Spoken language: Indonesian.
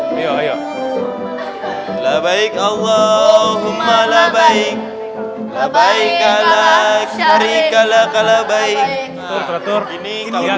hai yuk yuk labaik allahumma labaik labaik allah syariq alaqala baik tur tur ini yang